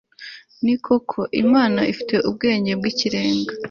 ni koko, imana ifite ubwenge bw'ikirenga